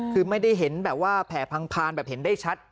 คือไม่ได้เห็นแบบว่าแผ่พังพานแบบเห็นได้ชัด